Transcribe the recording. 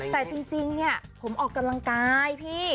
แต่จริงเนี่ยผมออกกำลังกายพี่